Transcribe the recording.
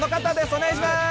お願いします。